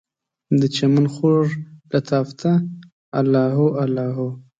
دچمن خوږ لطافته، الله هو الله هو